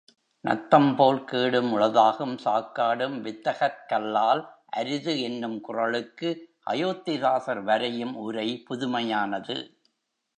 நத்தம் போல் கேடும் உளதாகும் சாக்காடும் வித்தகர்க்கல்லால் அரிது எனும் குறளுக்கு அயோத்திதாசர் வரையும் உரை புதுமையானது.